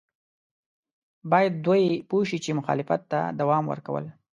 باید دوی پوه شي چې مخالفت ته دوام ورکول.